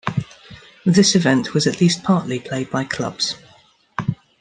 This event was at least partly played by clubs.